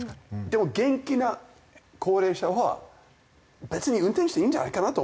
でも元気な高齢者は別に運転していいんじゃないかなと思うんですよ。